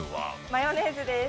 マヨネーズです。